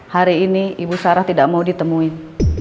hari ini ibu sarah tidak mau ditemuin